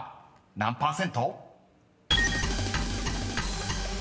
何％！